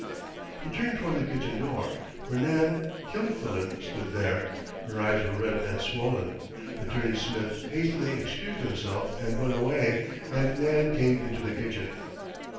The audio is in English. He turned toward the kitchen door for Nan Kilfillan stood there. Her eyes were red and swollen. Attorney Smith hastily excused himself and went away, and Nan came into the kitchen.